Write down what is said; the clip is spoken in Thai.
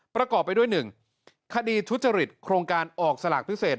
ประกอบไปด้วย๑คดีทุจริตโครงการออกสลากพิเศษ